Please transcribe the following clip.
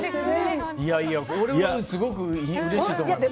これはすごくうれしいと思います。